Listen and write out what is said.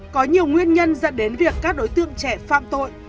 có nhiều nguyên nhân dẫn đến việc các đối tượng trẻ phạm tội